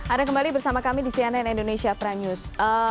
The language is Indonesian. ada kembali bersama kami di cnn indonesia prime news